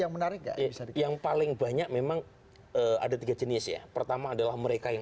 memang ada tiga jenis ya pertama adalah mereka yang